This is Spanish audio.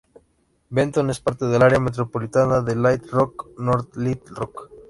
Benton es parte del área metropolitana de Little Rock-North Little Rock.